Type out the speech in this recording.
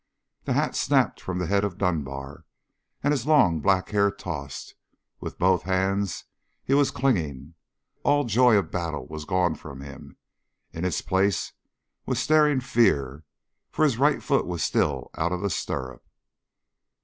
The hat snapped from the head of Dunbar and his long black hair tossed; with both hands he was clinging. All joy of battle was gone from him. In its place was staring fear, for his right foot was still out of the stirrup.